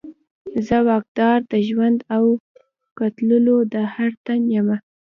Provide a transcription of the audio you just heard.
زه واکدار د ژوند او قتلولو د هر تن یمه